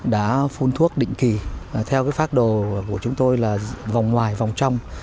đã phun thuốc định kỳ theo phát đồ của chúng tôi là vòng ngoài vòng trong